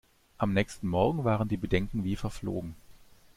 Am nächsten Morgen waren die Bedenken wie verflogen.